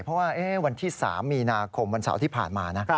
เพราะว่าวันที่๓มีนาคมวันเสาร์ที่ผ่านมานะ